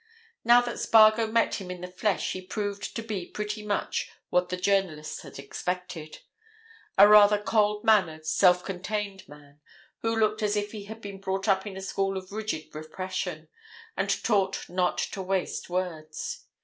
Now that Spargo met him in the flesh he proved to be pretty much what the journalist had expected—a rather cold mannered, self contained man, who looked as if he had been brought up in a school of rigid repression, and taught not to waste words.